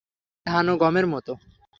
ঠিক ধান ও গমের মতো।